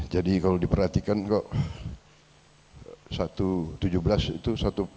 jadi kalau diperhatikan kok satu tujuh belas itu satu tujuh delapan